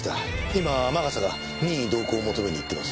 今天笠が任意同行を求めに行ってます。